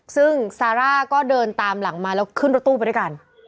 ซึ่งซาร่าก็เดินตามหลังมาแล้วขึ้นรถตู้ไปด้วยกัน